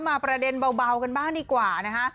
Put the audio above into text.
มาประเด็นเบากันบ้างดีกว่านะคะ